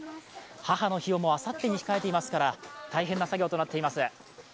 母の日もあさってに控えていますから、大変な作業となっています。